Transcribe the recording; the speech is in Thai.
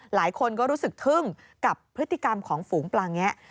หลายคนก็รู้สึกทึ่งกับพฤติกรรมของฝูงปลาแงะ